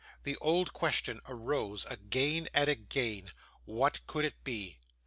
The old question arose again and again What could it be?